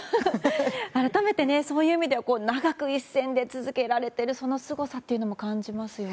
改めてそういう意味では長く一線で続けられてるそのすごさというのも感じますよね。